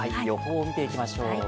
予報を見ていきましょう。